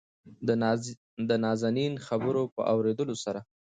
دنازنين خبرو په اورېدلو سره